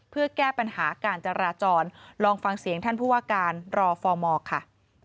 เพื่อแก้ปัญหาการจราจรลองฟังเสียงท่านผู้ว่าการรอฟอร์มอร์ค่ะ